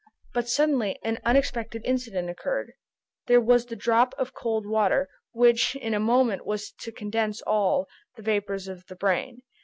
But suddenly an unexpected incident occurred. This was the drop of cold water, which in a moment was to condense all the vapors of the brain.